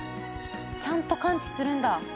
「ちゃんと感知するんだ」